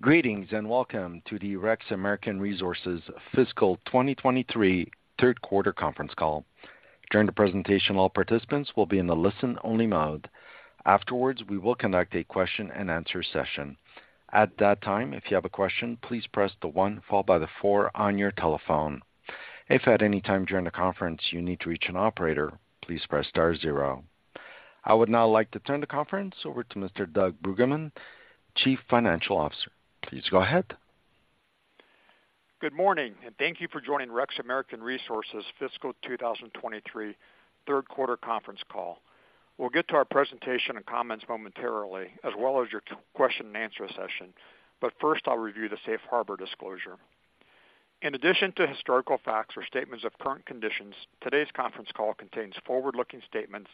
Greetings, and welcome to the REX American Resources fiscal 2023 third quarter conference call. During the presentation, all participants will be in the listen-only mode. Afterwards, we will conduct a question-and-answer session. At that time, if you have a question, please press the one followed by the four on your telephone. If at any time during the conference you need to reach an operator, please press star zero. I would now like to turn the conference over to Mr. Doug Bruggeman, Chief Financial Officer. Please go ahead. Good morning, and thank you for joining REX American Resources fiscal 2023 third quarter conference call. We'll get to our presentation and comments momentarily, as well as your question-and-answer session. But first, I'll review the safe harbor disclosure. In addition to historical facts or statements of current conditions, today's conference call contains forward-looking statements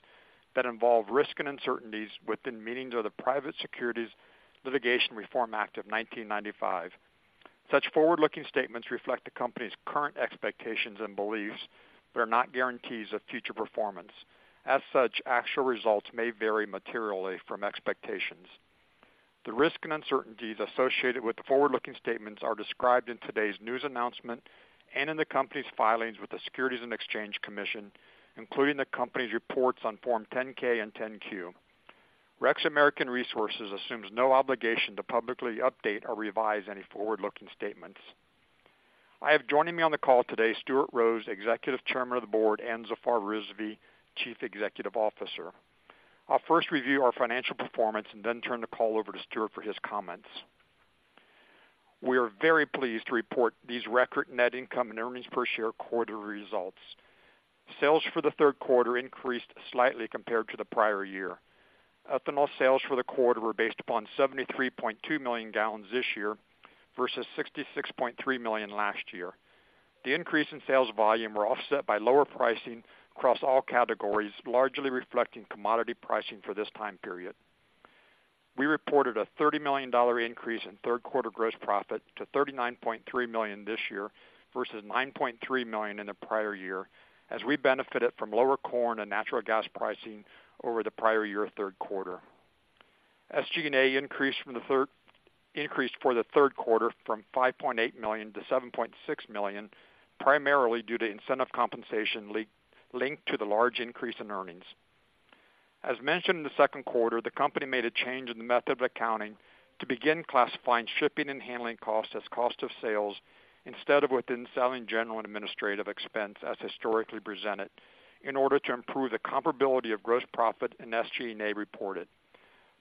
that involve risks and uncertainties within meanings of the Private Securities Litigation Reform Act of 1995. Such forward-looking statements reflect the company's current expectations and beliefs, but are not guarantees of future performance. As such, actual results may vary materially from expectations. The risks and uncertainties associated with the forward-looking statements are described in today's news announcement and in the company's filings with the Securities and Exchange Commission, including the company's reports on Form 10-K and 10-Q. REX American Resources assumes no obligation to publicly update or revise any forward-looking statements. I have joining me on the call today, Stuart Rose, Executive Chairman of the Board, and Zafar Rizvi, Chief Executive Officer. I'll first review our financial performance and then turn the call over to Stuart for his comments. We are very pleased to report these record net income and earnings per share quarterly results. Sales for the third quarter increased slightly compared to the prior year. Ethanol sales for the quarter were based upon 73.2 million gallons this year versus 66.3 million last year. The increase in sales volume were offset by lower pricing across all categories, largely reflecting commodity pricing for this time period. We reported a $30 million increase in third quarter gross profit to $39.3 million this year versus $9.3 million in the prior year, as we benefited from lower corn and natural gas pricing over the prior year third quarter. SG&A increased for the third quarter from $5.8 million to $7.6 million, primarily due to incentive compensation linked to the large increase in earnings. As mentioned in the second quarter, the company made a change in the method of accounting to begin classifying shipping and handling costs as cost of sales instead of within selling general and administrative expense, as historically presented, in order to improve the comparability of gross profit and SG&A reported.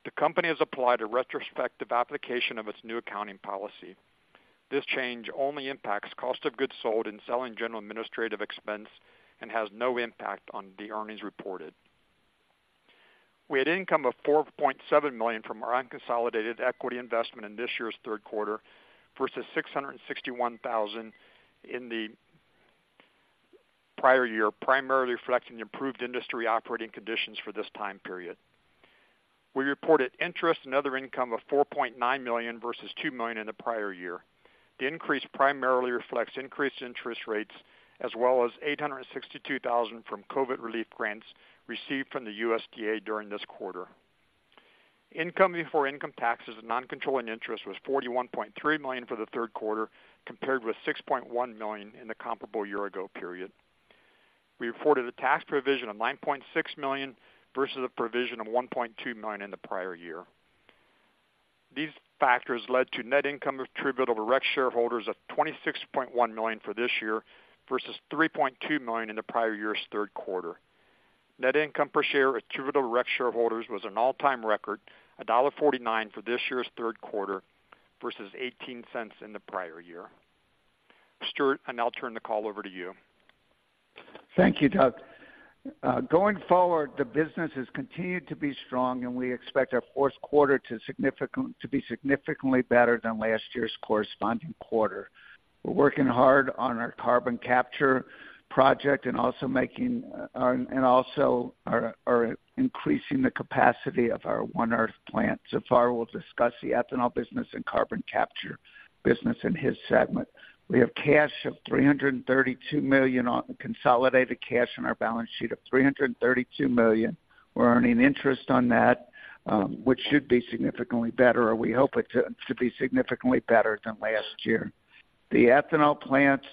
The company has applied a retrospective application of its new accounting policy. This change only impacts cost of goods sold and selling, general and administrative expense and has no impact on the earnings reported. We had income of $4.7 million from our unconsolidated equity investment in this year's third quarter, versus $661,000 in the prior year, primarily reflecting the improved industry operating conditions for this time period. We reported interest and other income of $4.9 million versus $2 million in the prior year. The increase primarily reflects increased interest rates, as well as $862,000 from COVID relief grants received from the USDA during this quarter. Income before income taxes and non-controlling interest was $41.3 million for the third quarter, compared with $6.1 million in the comparable year-ago period. We reported a tax provision of $9.6 million versus a provision of $1.2 million in the prior year. These factors led to net income attributable to REX shareholders of $26.1 million for this year versus $3.2 million in the prior year's third quarter. Net income per share attributable to REX shareholders was an all-time record, $1.49 for this year's third quarter versus $0.18 cents in the prior year. Stuart, I now turn the call over to you. Thank you, Doug. Going forward, the business has continued to be strong, and we expect our fourth quarter to be significantly better than last year's corresponding quarter. We're working hard on our carbon capture project and also increasing the capacity of our One Earth plant. Zafar will discuss the ethanol business and carbon capture business in his segment. We have $332 million in consolidated cash on our balance sheet. We're earning interest on that, which should be significantly better, or we hope it to be significantly better than last year. The ethanol plants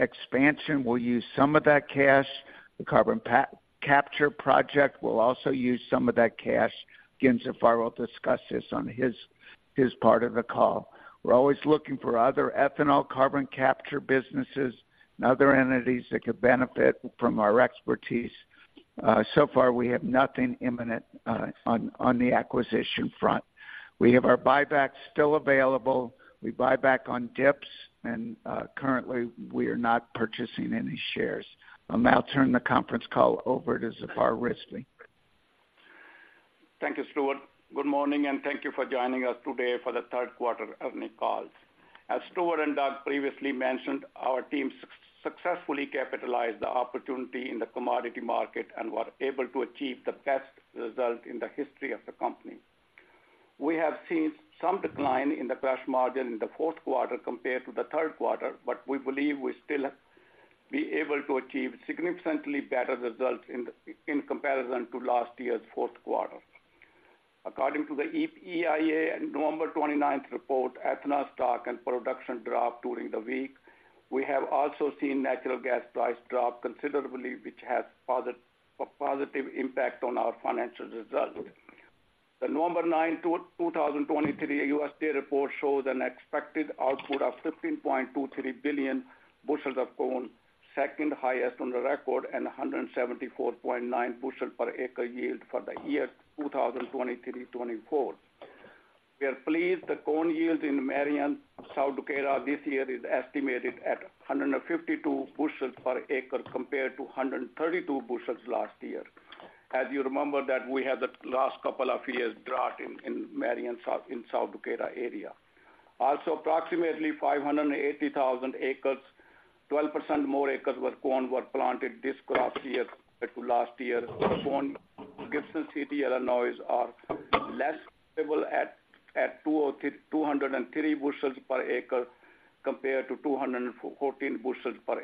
expansion will use some of that cash. The carbon capture project will also use some of that cash. Again, Zafar will discuss this on his part of the call. We're always looking for other ethanol, carbon capture businesses and other entities that could benefit from our expertise. So far, we have nothing imminent on the acquisition front. We have our buyback still available. We buy back on dips, and currently, we are not purchasing any shares. I'll now turn the conference call over to Zafar Rizvi. Thank you, Stuart. Good morning, and thank you for joining us today for the third quarter earnings call. As Stuart and Doug previously mentioned, our team successfully capitalized the opportunity in the commodity market and were able to achieve the best result in the history of the company. We have seen some decline in the gross margin in the fourth quarter compared to the third quarter, but we believe we still have-... be able to achieve significantly better results in the, in comparison to last year's fourth quarter. According to the EIA November 29th report, ethanol stock and production dropped during the week. We have also seen natural gas price drop considerably, which has a positive impact on our financial results. The November 9th, 2023 USDA report shows an expected output of 15.23 billion bushels of corn, second highest on the record, and a 174.9 bushel per acre yield for the year 2023-2024. We are pleased the corn yield in Marion, South Dakota, this year is estimated at 152 bushels per acre, compared to 132 bushels last year. As you remember, that we had the last couple of years drought in Marion, South Dakota area. Also, approximately 580,000 acres, 12% more acres were corn, were planted this crop year compared to last year. Corn, Gibson City, Illinois, are less stable at, at two or two hundred and three bushels per acre, compared to two hundred and fourteen bushels per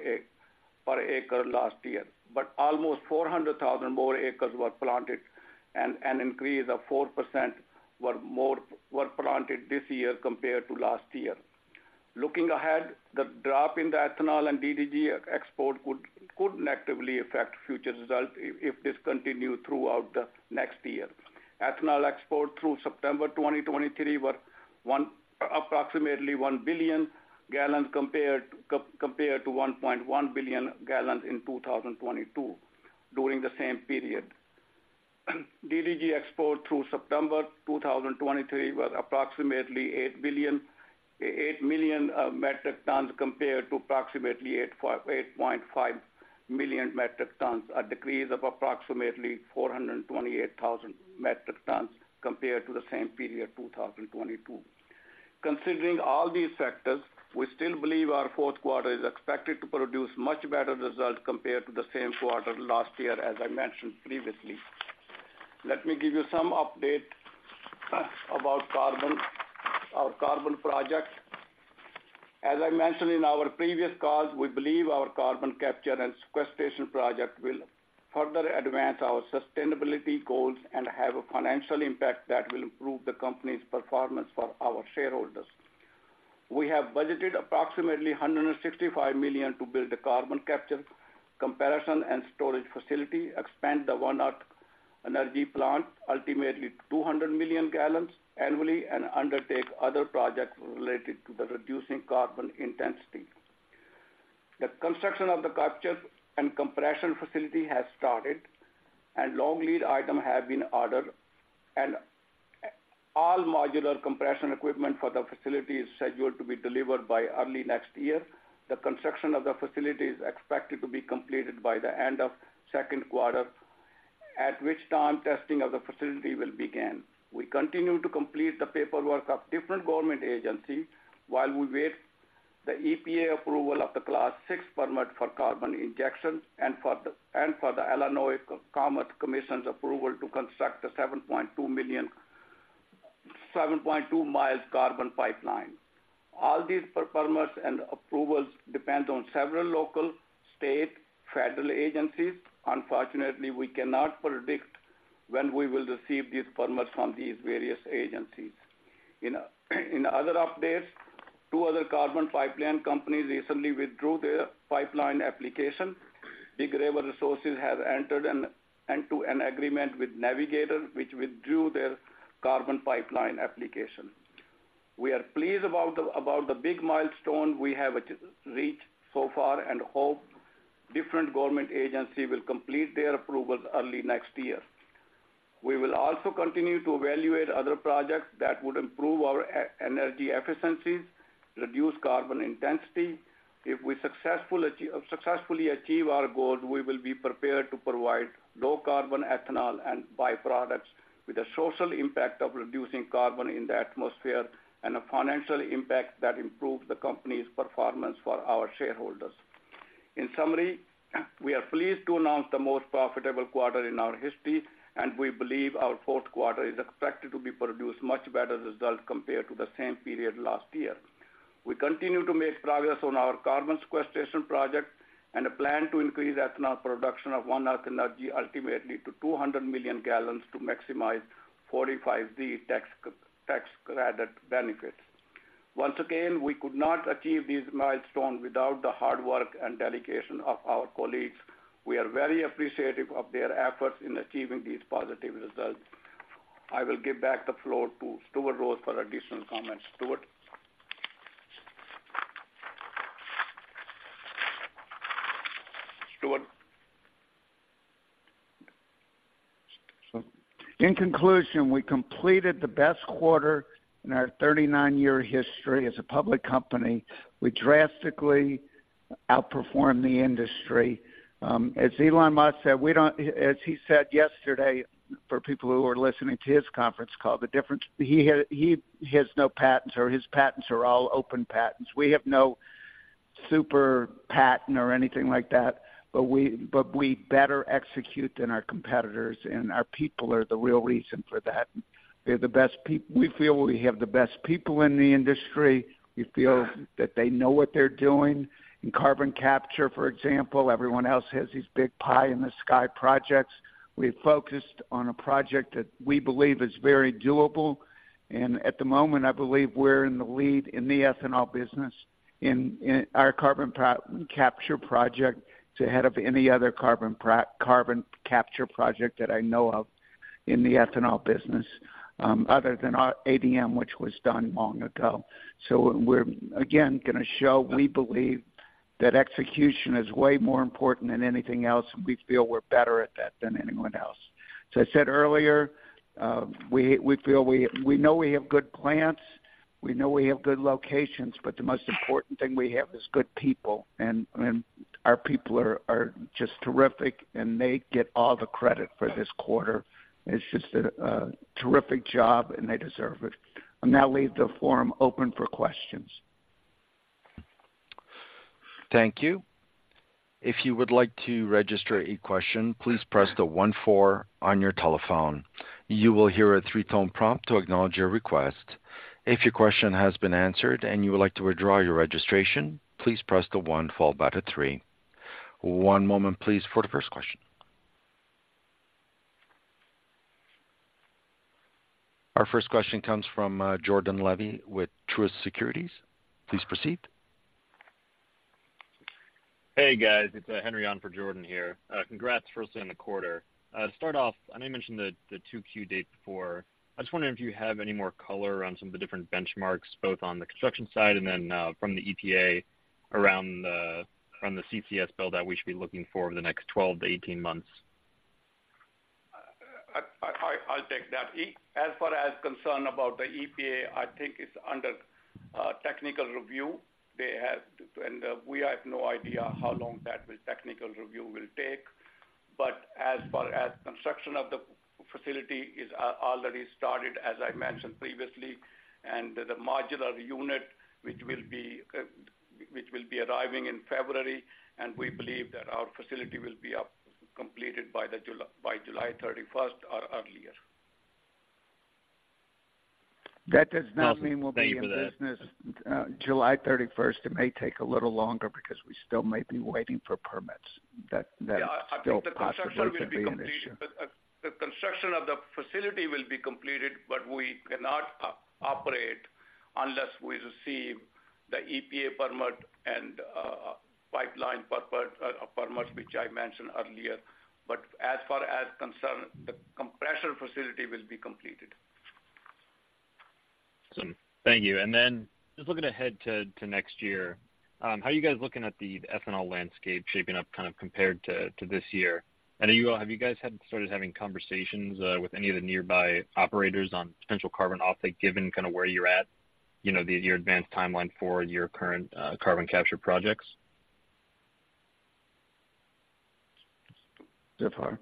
acre last year. But almost 400,000 more acres were planted, and an increase of 4% were more-- were planted this year compared to last year. Looking ahead, the drop in the ethanol and DDG export could, could negatively affect future results if this continues throughout the next year. Ethanol exports through September 2023 were approximately one billion gallons compared to compared to 1.1 billion gallons in 2022, during the same period. DDG export through September 2023 was approximately 8,000,000 metric tons, compared to approximately 8.5 million metric tons, a decrease of approximately 428,000 metric tons compared to the same period, 2022. Considering all these factors, we still believe our fourth quarter is expected to produce much better results compared to the same quarter last year, as I mentioned previously. Let me give you some update about carbon, our carbon project. As I mentioned in our previous calls, we believe our carbon capture and sequestration project will further advance our sustainability goals and have a financial impact that will improve the company's performance for our shareholders. We have budgeted approximately $165 million to build the carbon capture and compression and storage facility, expand the One Earth Energy plant, ultimately to 200 million gallons annually, and undertake other projects related to the reducing carbon intensity. The construction of the capture and compression facility has started, and long lead items have been ordered, and all modular compression equipment for the facility is scheduled to be delivered by early next year. The construction of the facility is expected to be completed by the end of second quarter, at which time testing of the facility will begin. We continue to complete the paperwork of different government agencies while we wait for the EPA approval of the Class VI permit for carbon injections and for the, and for the Illinois Commerce Commission's approval to construct the 7.2-mile carbon pipeline. All these permits and approvals depend on several local, state, federal agencies. Unfortunately, we cannot predict when we will receive these permits from these various agencies. In other updates, two other carbon pipeline companies recently withdrew their pipeline application. Big River Resources have entered into an agreement with Navigator, which withdrew their carbon pipeline application. We are pleased about the big milestone we have reached so far and hope different government agencies will complete their approvals early next year. We will also continue to evaluate other projects that would improve our energy efficiencies, reduce carbon intensity. If we successfully achieve our goals, we will be prepared to provide low carbon ethanol and byproducts with the social impact of reducing carbon in the atmosphere and a financial impact that improves the company's performance for our shareholders. In summary, we are pleased to announce the most profitable quarter in our history, and we believe our fourth quarter is expected to be produced much better results compared to the same period last year. We continue to make progress on our carbon sequestration project and a plan to increase ethanol production of One Earth Energy ultimately to 200 million gallons to maximize 45Q tax credit benefits. Once again, we could not achieve these milestones without the hard work and dedication of our colleagues. We are very appreciative of their efforts in achieving these positive results. I will give back the floor to Stuart Rose for additional comments. Stuart? Stuart. In conclusion, we completed the best quarter in our 39-year history as a public company. We drastically outperformed the industry. As Elon Musk said, as he said yesterday for people who are listening to his conference call, the difference is he has no patents or his patents are all open patents. We have no super patent or anything like that, but we better execute than our competitors, and our people are the real reason for that. They're the best. We feel we have the best people in the industry. We feel that they know what they're doing. In carbon capture, for example, everyone else has these big pie in the sky projects. We've focused on a project that we believe is very doable, and at the moment, I believe we're in the lead in the ethanol business. In our carbon capture project, it's ahead of any other carbon capture project that I know of in the ethanol business, other than our ADM, which was done long ago. So we're again gonna show we believe that execution is way more important than anything else. We feel we're better at that than anyone else. So I said earlier, we feel we know we have good plants, we know we have good locations, but the most important thing we have is good people, and our people are just terrific, and they get all the credit for this quarter. It's just a terrific job, and they deserve it. I'll now leave the forum open for questions. Thank you. If you would like to register a question, please press the one four on your telephone. You will hear a three-tone prompt to acknowledge your request. If your question has been answered and you would like to withdraw your registration, please press the one followed by the three. One moment please for the first question. Our first question comes from Jordan Levy with Truist Securities. Please proceed. Hey, guys, it's Henry on for Jordan here. Congrats, first, on the quarter. To start off, I know you mentioned the 2Q dates before. I'm just wondering if you have any more color on some of the different benchmarks, both on the construction side and then from the EPA around the CCS bill that we should be looking for over the next 12-18 months? I'll take that. As far as concerned about the EPA, I think it's under technical review. They have, and we have no idea how long that technical review will take. But as far as construction of the facility is already started, as I mentioned previously, and the modular unit, which will be which will be arriving in February, and we believe that our facility will be up, completed by July 31st or earlier. That does not mean we'll be in business, July 31st. It may take a little longer because we still may be waiting for permits. That is still possibly to be an issue. Yeah, I think the construction will be completed. The construction of the facility will be completed, but we cannot operate unless we receive the EPA permit and pipeline permit, permits, which I mentioned earlier. But as far as concerned, the compressor facility will be completed. Thank you. And then just looking ahead to next year, how are you guys looking at the ethanol landscape shaping up kind of compared to this year? And have you guys started having conversations with any of the nearby operators on potential carbon offset, given kind of where you're at, you know, your advanced timeline for your current carbon capture projects? Zafar?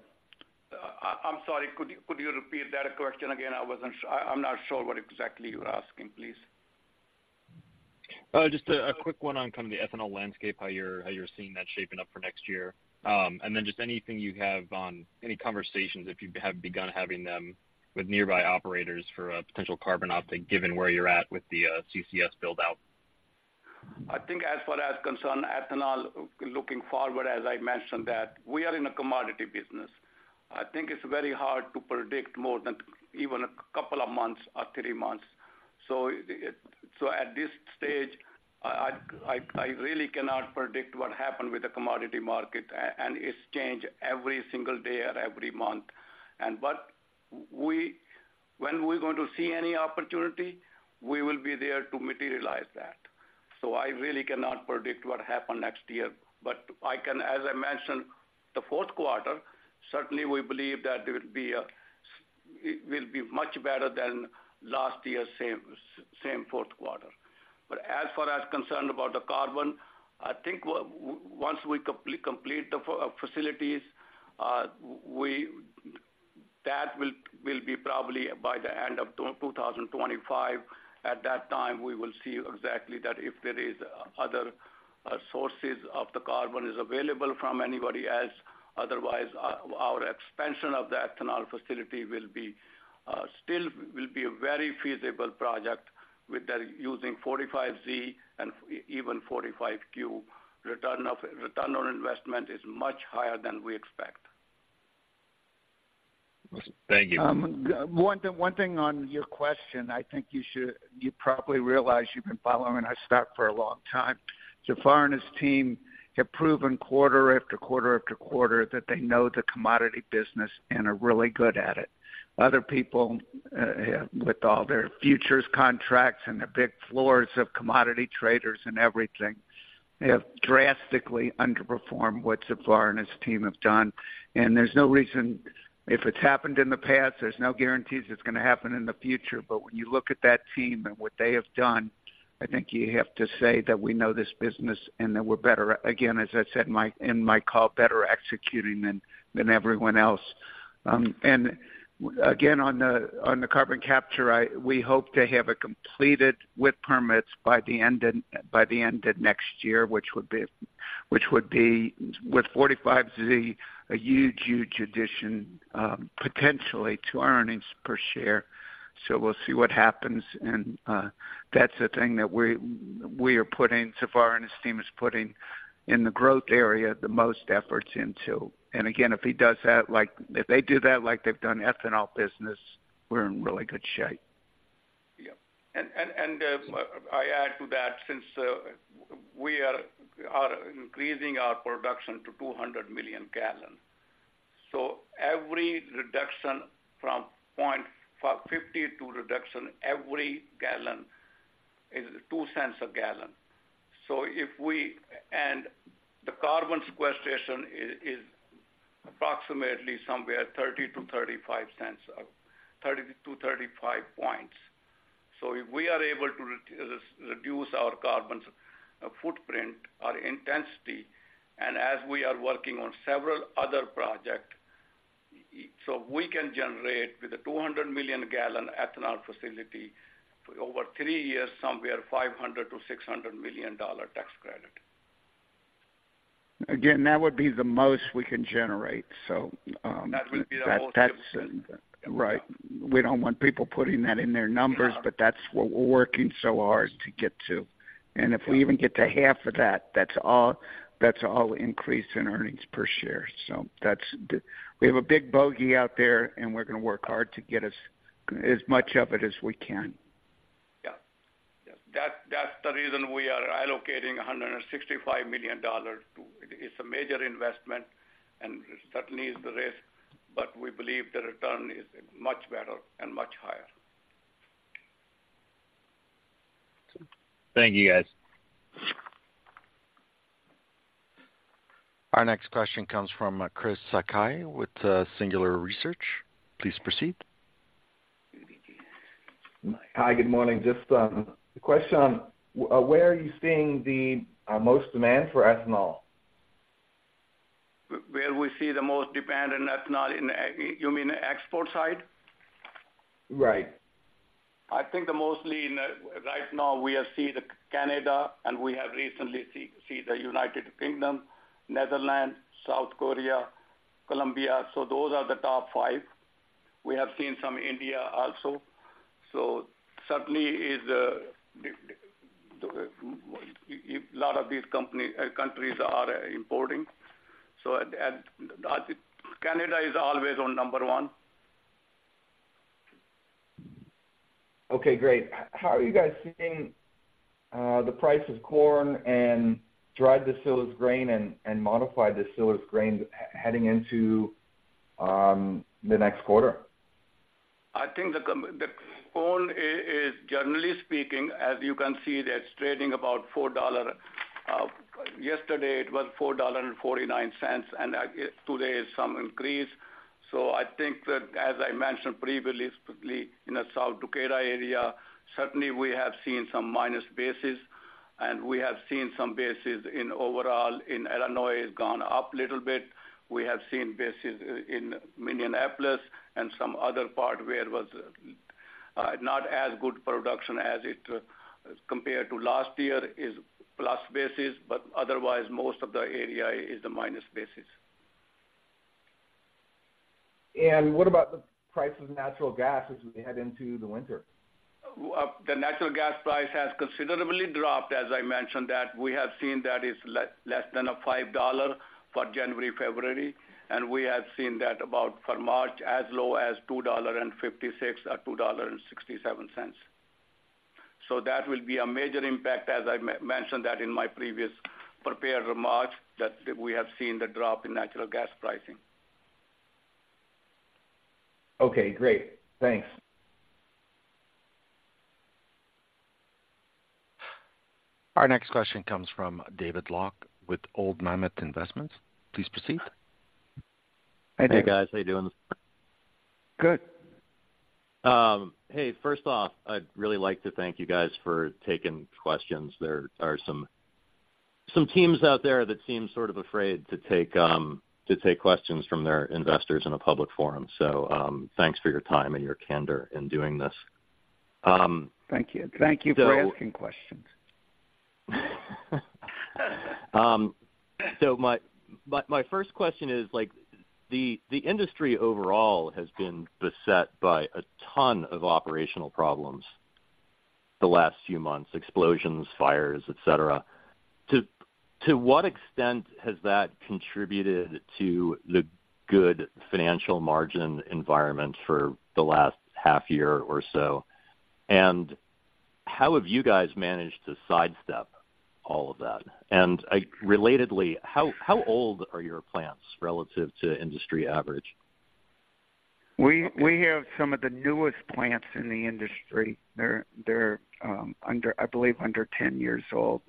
I'm sorry, could you repeat that question again? I wasn't sure. I'm not sure what exactly you're asking, please. Just a quick one on kind of the ethanol landscape, how you're seeing that shaping up for next year. And then just anything you have on any conversations, if you have begun having them with nearby operators for a potential carbon uptick, given where you're at with the CCS build out. I think as far as concerned, ethanol, looking forward, as I mentioned, that we are in a commodity business. I think it's very hard to predict more than even a couple of months or three months. So it, so at this stage, I really cannot predict what happened with the commodity market and it's changed every single day or every month. And but when we're going to see any opportunity, we will be there to materialize that. So I really cannot predict what happen next year. But I can, as I mentioned, the fourth quarter, certainly we believe that there will be a, it will be much better than last year, same, same fourth quarter. But as far as concerned about the carbon, I think once we complete the facilities, we... That will be probably by the end of 2025. At that time, we will see exactly that if there is other sources of the carbon is available from anybody else, otherwise, our expansion of the ethanol facility will be still will be a very feasible project with the using 45Z and even 45Q. Return on investment is much higher than we expect. Thank you. One thing on your question, I think you should, you probably realize you've been following our stock for a long time. Zafar and his team have proven quarter after quarter after quarter that they know the commodity business and are really good at it. Other people with all their futures contracts and their big floors of commodity traders and everything have drastically underperformed what Zafar and his team have done. And there's no reason, if it's happened in the past, there's no guarantees it's gonna happen in the future. But when you look at that team and what they have done, I think you have to say that we know this business and that we're better. Again, as I said in my call, better executing than everyone else. And again, on the carbon capture, we hope to have it completed with permits by the end of next year, which would be with 45Z, a huge, huge addition, potentially to earnings per share. So we'll see what happens. And that's the thing that we are putting, Zafar and his team is putting in the growth area the most efforts into. And again, if he does that, like if they do that like they've done ethanol business, we're in really good shape. Yeah. And I add to that, since we are increasing our production to 200 million gallon. So every reduction from 0.550 to reduction, every gallon is two cents a gallon. So if we and the carbon sequestration is approximately somewhere $0.30-$0.35 cents, or 30-35 points. So if we are able to reduce our carbon footprint, our intensity, and as we are working on several other project, so we can generate, with a 200 million gallon ethanol facility, over three years, somewhere, $500 million-$600 million tax credit. Again, that would be the most we can generate, so- That would be the most. That's right. We don't want people putting that in their numbers- Yeah. But that's what we're working so hard to get to. Yeah. If we even get to half of that, that's a, that's a increase in earnings per share. That's the... We have a big bogey out there, and we're going to work hard to get as much of it as we can. Yeah. Yeah. That's, that's the reason we are allocating $165 million to... It's a major investment, and certainly is the risk, but we believe the return is much better and much higher. Thank you, guys. Our next question comes from, Chris Sakai with, Singular Research. Please proceed. Hi, good morning. Just, a question on where are you seeing the, most demand for ethanol? Where we see the most demand in ethanol, you mean export side? Right. I think the mostly right now, we are seeing Canada, and we have recently seen the United Kingdom, Netherlands, South Korea, Colombia. So those are the top five. We have seen some India also. So certainly, a lot of these countries are importing. So Canada is always number one. Okay, great. How are you guys seeing the price of corn and dried distillers grain and modified distillers grain heading into the next quarter? I think the corn is, generally speaking, as you can see, that's trading about $4. Yesterday, it was $4.49, and today is some increase. So I think that, as I mentioned previously, in the South Dakota area, certainly we have seen some minus basis, and we have seen some basis in overall in Illinois has gone up little bit. We have seen basis in Minneapolis and some other part where it was not as good production as it compared to last year is plus basis, but otherwise, most of the area is the minus basis. What about the price of natural gas as we head into the winter? The natural gas price has considerably dropped, as I mentioned, that we have seen that is less than $5 for January, February, and we have seen that about for March, as low as $2.56 or $2.67. So that will be a major impact, as I mentioned that in my previous prepared remarks, that we have seen the drop in natural gas pricing. Okay, great. Thanks. Our next question comes from David Locke with Old Mammoth Investments. Please proceed. Hi, Dave. Hey, guys. How you doing this? Good. Hey, first off, I'd really like to thank you guys for taking questions. There are some teams out there that seem sort of afraid to take questions from their investors in a public forum. So, thanks for your time and your candor in doing this. Thank you. Thank you for asking questions. So my first question is, like, the industry overall has been beset by a ton of operational problems the last few months, explosions, fires, et cetera. To what extent has that contributed to the good financial margin environment for the last half year or so? And how have you guys managed to sidestep all of that? And relatedly, how old are your plants relative to industry average? We have some of the newest plants in the industry. They're under, I believe, under 10 years old.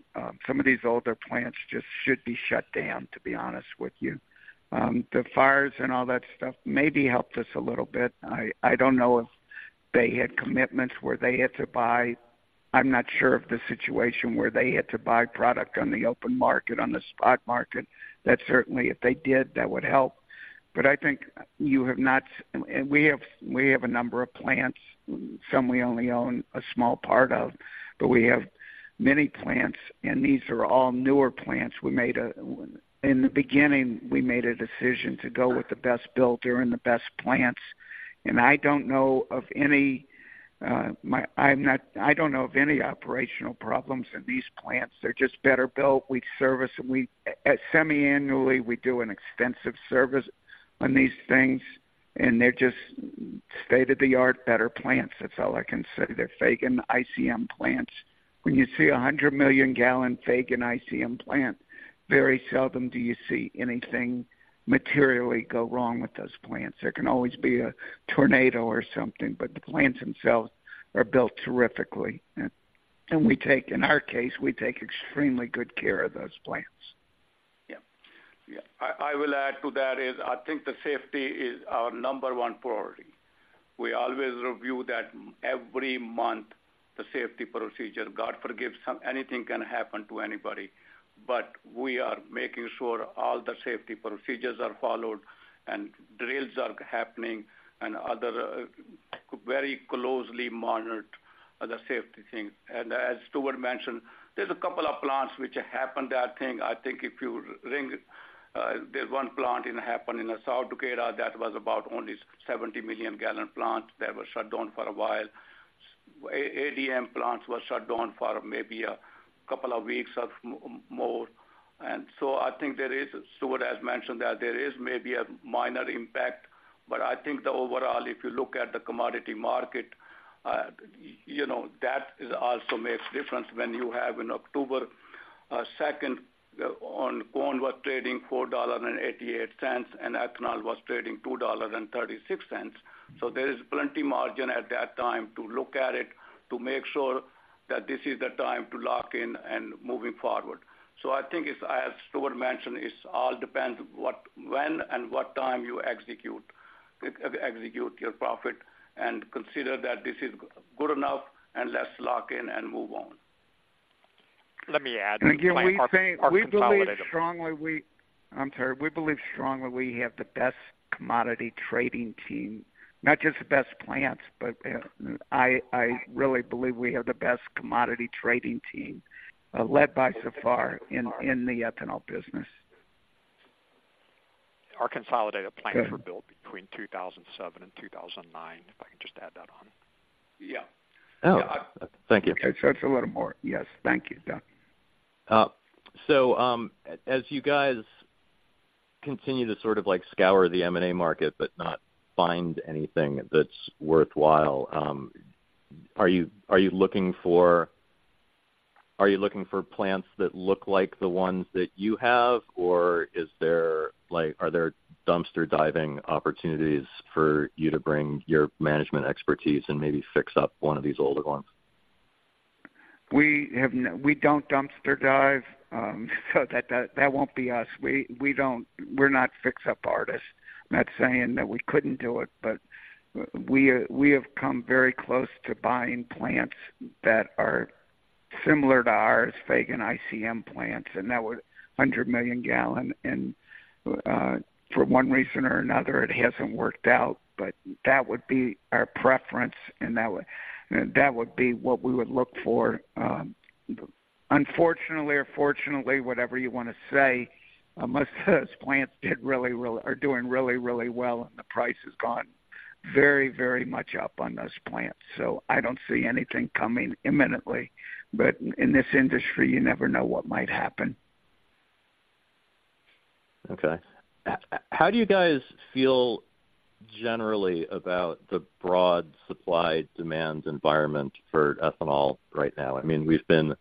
Some of these older plants just should be shut down, to be honest with you. The fires and all that stuff maybe helped us a little bit. I don't know if they had commitments where they had to buy. I'm not sure of the situation where they had to buy product on the open market, on the spot market. That certainly, if they did, that would help. But I think you have not and we have a number of plants, some we only own a small part of, but we have many plants, and these are all newer plants. In the beginning, we made a decision to go with the best builder and the best plants, and I don't know of any operational problems in these plants. They're just better built. We service, and we semiannually do an extensive service on these things, and they're just state-of-the-art, better plants. That's all I can say. They're Fagen/ICM plants. When you see a 100 million gallon Fagen/ICM plant, very seldom do you see anything materially go wrong with those plants. There can always be a tornado or something, but the plants themselves are built terrifically. We take, in our case, we take extremely good care of those plants. Yeah. Yeah. I, I will add to that is, I think the safety is our number one priority. We always review that every month, the safety procedure. God forgives some—anything can happen to anybody, but we are making sure all the safety procedures are followed and drills are happening and other, very closely monitored, the safety things. And as Stuart mentioned, there's a couple of plants which happened, I think. I think if you ring, there's one plant in happened in the South Dakota that was about only 70 million gallon plant that was shut down for a while. ADM plants were shut down for maybe a couple of weeks or more, and so I think there is, Stuart has mentioned that there is maybe a minor impact, but I think the overall, if you look at the commodity market, you know, that is also makes difference when you have in October, second on corn was trading $4.88, and ethanol was trading $2.36. So there is plenty margin at that time to look at it, to make sure that this is the time to lock in and moving forward. So I think it's, as Stuart mentioned, it all depends what when and what time you execute, execute your profit and consider that this is good enough and let's lock in and move on. Let me add- I'm sorry. We believe strongly we have the best commodity trading team. Not just the best plants, but I really believe we have the best commodity trading team, led by Zafar in the ethanol business. Our consolidated plants were built between 2007 and 2009, if I can just add that on. Yeah. Oh, thank you. Okay. So that's a little more. Yes, thank you, Doug. So, as you guys continue to sort of, like, scour the M&A market but not find anything that's worthwhile, are you looking for plants that look like the ones that you have, or is there, like, are there dumpster diving opportunities for you to bring your management expertise and maybe fix up one of these older ones? We don't dumpster dive, so that won't be us. We don't. We're not fix-up artists. I'm not saying that we couldn't do it, but we have come very close to buying plants that are similar to ours, Fagen/ICM plants, and that were 100-million-gallon, and for one reason or another, it hasn't worked out, but that would be our preference, and that would be what we would look for. Unfortunately or fortunately, whatever you want to say, most of those plants did really well, are doing really, really well, and the price has gone very, very much up on those plants. So I don't see anything coming imminently, but in this industry, you never know what might happen. Okay. How do you guys feel generally about the broad supply-demand environment for ethanol right now? I mean, we've been,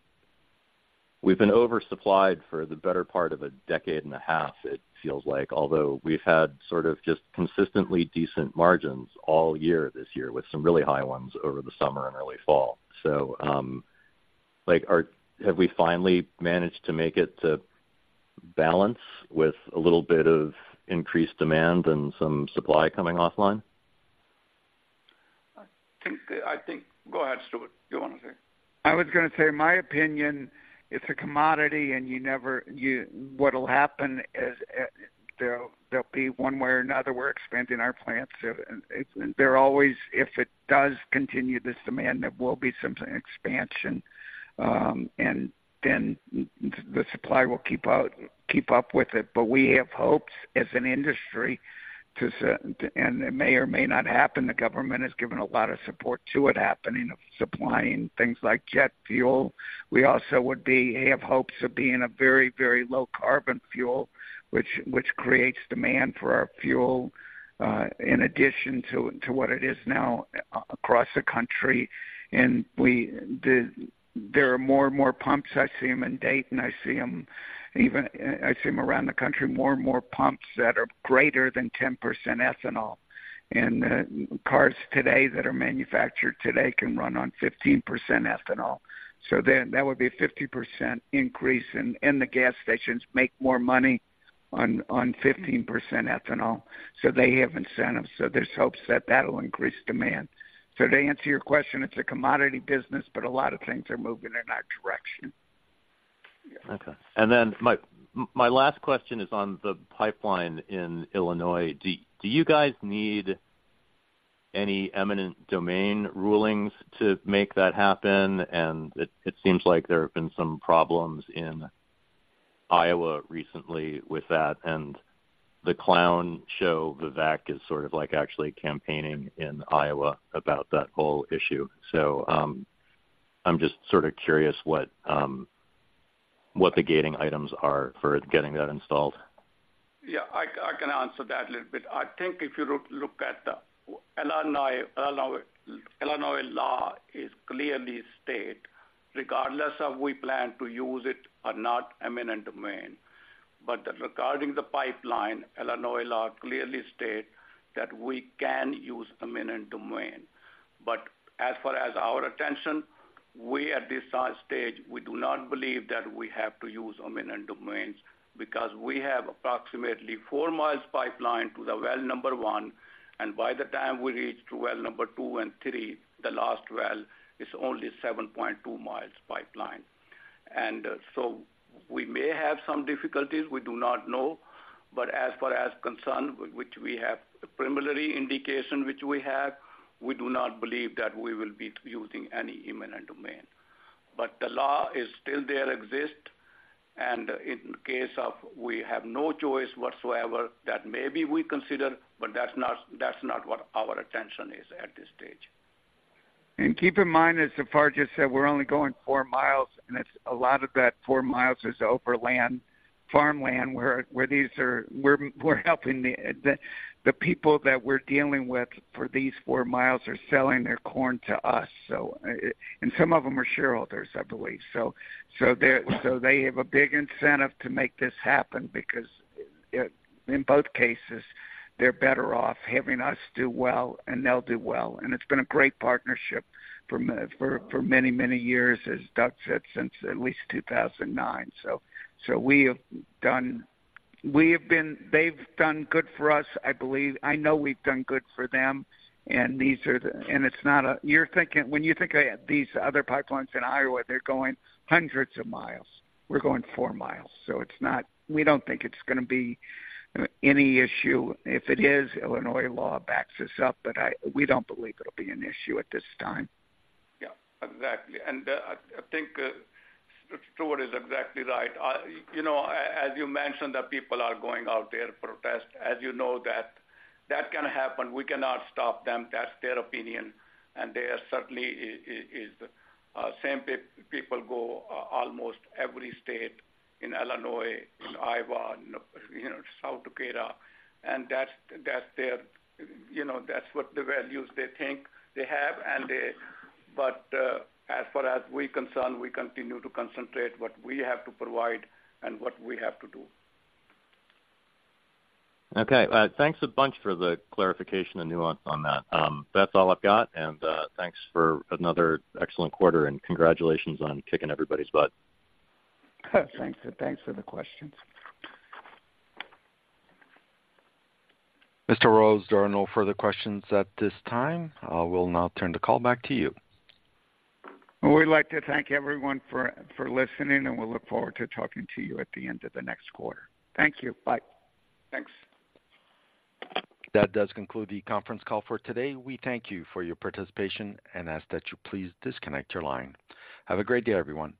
we've been oversupplied for the better part of a decade and a half it feels like, although we've had sort of just consistently decent margins all year this year, with some really high ones over the summer and early fall. So, like, have we finally managed to make it to balance with a little bit of increased demand and some supply coming offline? I think... Go ahead, Stuart. You want to say? I was going to say, my opinion, it's a commodity and you never—you, what'll happen is, there'll be one way or another, we're expanding our plants. There's always, if it does continue, this demand, there will be some expansion, and then the supply will keep out—keep up with it. But we have hopes as an industry to certain—and it may or may not happen, the government has given a lot of support to it happening, of supplying things like jet fuel. We also would be, have hopes of being a very, very low carbon fuel, which creates demand for our fuel, in addition to what it is now across the country. And we, there are more and more pumps. I see them in Dayton, I see them even, I see them around the country, more and more pumps that are greater than 10% ethanol. And cars today that are manufactured today can run on 15% ethanol. So then that would be a 50% increase, and the gas stations make more money on 15% ethanol. So they have incentives, so there's hopes that that'll increase demand. So to answer your question, it's a commodity business, but a lot of things are moving in our direction. Okay. And then my last question is on the pipeline in Illinois. Do you guys need any eminent domain rulings to make that happen? And it seems like there have been some problems in Iowa recently with that, and the clown show, Vivek, is sort of like actually campaigning in Iowa about that whole issue. So, I'm just sort of curious what the gating items are for getting that installed. Yeah, I can answer that a little bit. I think if you look at the Illinois law is clearly state, regardless of we plan to use it or not, Eminent Domain. But regarding the pipeline, Illinois law clearly state that we can use Eminent Domain. But as far as our intention, we, at this time stage, we do not believe that we have to use Eminent Domains because we have approximately 4 mi pipeline to the well number one, and by the time we reach to well number two and three, the last well is only 7.2 miles pipeline. And so we may have some difficulties. We do not know. But as far as concerned, which we have a preliminary indication, which we have, we do not believe that we will be using any Eminent Domain. But the law is still there, exists, and in case we have no choice whatsoever, that maybe we consider, but that's not, that's not what our attention is at this stage. And keep in mind, as Zafar just said, we're only going 4 mi, and it's a lot of that 4 mi is over land, farmland, where these are—we're helping the people that we're dealing with for these 4 mi are selling their corn to us, so. And some of them are shareholders, I believe. So they have a big incentive to make this happen because in both cases, they're better off having us do well, and they'll do well. And it's been a great partnership for many, many years, as Doug said, since at least 2009. So they've done good for us, I believe. I know we've done good for them, and these are the... It's not, you're thinking, when you think of these other pipelines in Iowa, they're going hundreds of miles. We're going 4 mi, so it's not, we don't think it's gonna be any issue. If it is, Illinois law backs us up, but we don't believe it'll be an issue at this time. Yeah, exactly. And, I think, Stuart is exactly right. You know, as you mentioned, that people are going out there to protest. As you know, that's gonna happen. We cannot stop them. That's their opinion, and they are certainly same people go almost every state in Illinois, in Iowa, you know, South Dakota, and that's their, you know, that's what the values they think they have, and they... But, as far as we're concerned, we continue to concentrate what we have to provide and what we have to do. Okay. Thanks a bunch for the clarification and nuance on that. That's all I've got, and thanks for another excellent quarter, and congratulations on kicking everybody's butt. Thanks. Thanks for the questions. Mr. Rose, there are no further questions at this time. I will now turn the call back to you. We'd like to thank everyone for listening, and we look forward to talking to you at the end of the next quarter. Thank you. Bye. Thanks. That does conclude the conference call for today. We thank you for your participation and ask that you please disconnect your line. Have a great day, everyone.